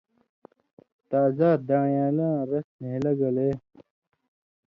تازہ دان٘ڑیالاں رس نھیلہ گلے